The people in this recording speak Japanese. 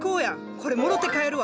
これもろうて帰るわ。